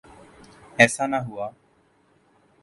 ایسا نہ ہوا۔